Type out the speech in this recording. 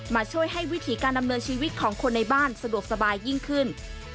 ช่วยให้วิถีการดำเนินชีวิตของคนในบ้านสะดวกสบายยิ่งขึ้น